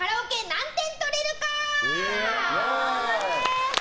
何点取れるか？